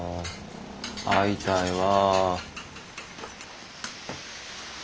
会いたいわ。